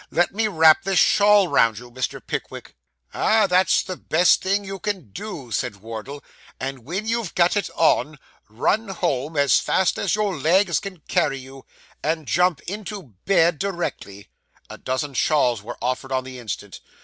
'Let me wrap this shawl round you, Mr. Pickwick.' 'Ah, that's the best thing you can do,' said Wardle; 'and when you've got it on, run home as fast as your legs can carry you, and jump into bed directly.' A dozen shawls were offered on the instant.